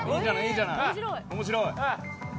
面白い！